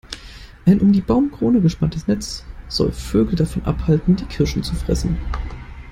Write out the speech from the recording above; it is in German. Ein um die Baumkrone gespanntes Netz soll Vögel davon abhalten, die Kirschen zu fressen.